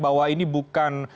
bahwa ini bukan